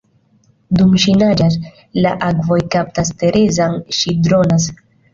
Dum ŝi naĝas, la akvoj kaptas Terezan, ŝi dronas.